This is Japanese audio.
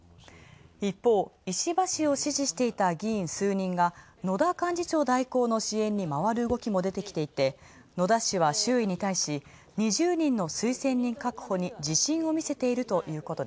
一方、石破氏を支持していた議員数人が、野田幹事長代行の支援に回る動きも出ていて野田氏は周囲に対し、２０人の推薦人確保に自信を見せている。